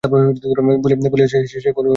বলিয়া সে খল খল করিয়া হাসিতে লাগিল।